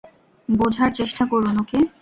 বুঝার চেষ্টা করুন, ওকে?